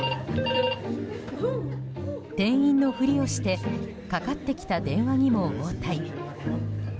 店員のふりをしてかかってきた電話にも応対。